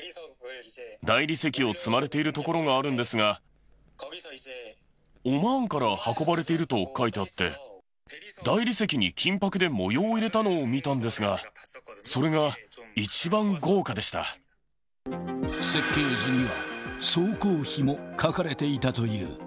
大理石を積まれているところがあるんですが、オマーンから運ばれていると書いてあって、大理石に金ぱくで模様を入れたのを見たんですが、それが一番豪華設計図には、総工費も書かれていたという。